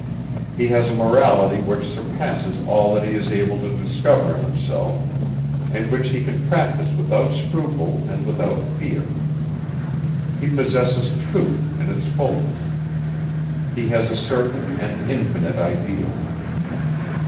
He has a morality which surpasses all that he is able to discover in himself and which he can practise without scruple and without fear. He possesses truth in its fulness. He has a certain and infinite ideal.